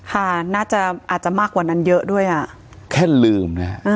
ค่ะน่าจะอาจจะมากกว่านั้นเยอะด้วยอ่ะแค่ลืมนะฮะ